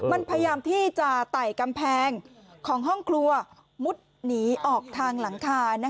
มันพยายามที่จะไต่กำแพงของห้องครัวมุดหนีออกทางหลังคา